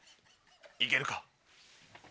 行けるか？